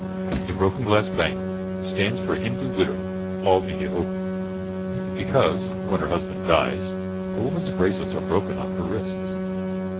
A broken glass bangle stands for a Hindu widow all India over; because, when her husband dies a woman's bracelets are broken on her wrists.